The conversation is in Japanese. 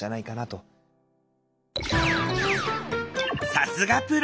さすがプロ！